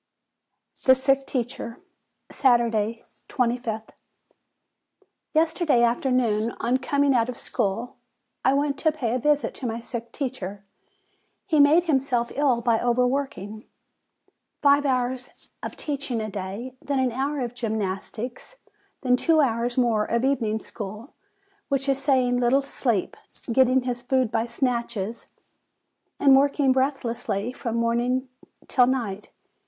THE SICK TEACHER Saturday, 25th. Yesterday afternoon, on coming out of school, I went to pay a visit to my sick teacher. He made him self ill by overworking. Five hours of teaching a THE SICK TEACHER 161 day, then an hour of gymnastics, then two hours more of evening school, which is saying little sleep, getting his food by snatches, and working breathlessly from morning till night.